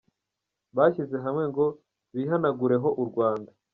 byishyize hamwe ngo bihanagureho u Rwanda.